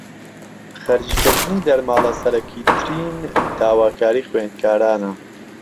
خەرجکردنی دەرماڵە سەرەکیترین داواکاریی خوێندکارانە